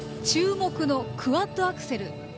注目のクアッドアクセル